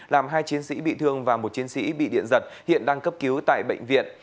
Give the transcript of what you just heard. làm hai chiến sĩ bị thương và một chiến sĩ bị điện giật hiện đang cấp cứu tại bệnh viện